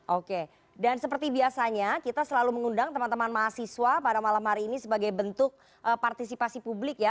oke dan seperti biasanya kita selalu mengundang teman teman mahasiswa pada malam hari ini sebagai bentuk partisipasi publik ya